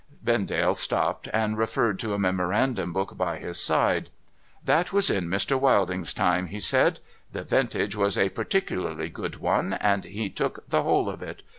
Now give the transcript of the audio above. Vendale stopped, and referred to a memorandum book by his side. ' That was in Mr. \\'ilding's time,' he said. ' The vintage was a particularly good one, and he took the whole of it.